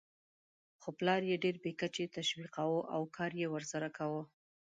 خو پلار یې ډېر بې کچې تشویقاوو او کار یې ورسره کاوه.